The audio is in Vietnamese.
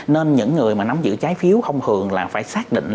nên những người mà nắm giữ trái phiếu thông thường là phải xác định